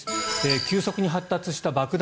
急速に発達した爆弾